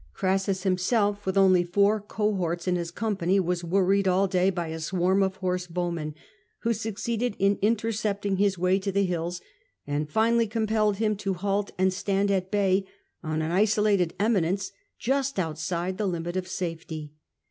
Crassus himself, with only four cohorts in his company, was worried all day by a swarm of horse bowmen, who succeeded in intercepting his way to the hills, and finally compelled him to halt and stand at bay on an isolated eminence just outside the limit of safety.